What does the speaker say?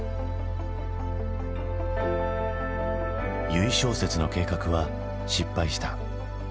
由井正雪の計画は失敗した。